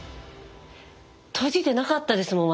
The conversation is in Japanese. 閉じてなかったですもん私。